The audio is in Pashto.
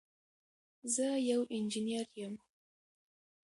زه یو انجنير یم.